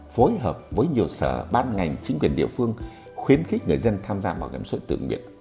phối hợp với nhiều sở ban ngành chính quyền địa phương khuyến khích người dân tham gia bảo hiểm xã hội tự nguyện